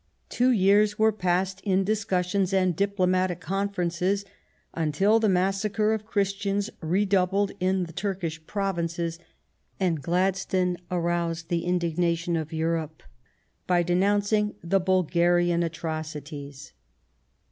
Two years were passed in discussions and diplo matic conferences, until the massacre of Christians redoubled in the Turkish Provinces and Gladstone aroused the indignation of Europe by denouncing the Bulgarian atrocities.